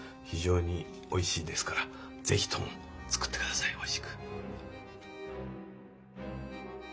非常においしいですからぜひとも作ってくださいおいしく。